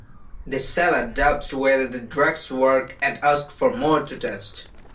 The seller doubts whether the drugs work and ask for more to test.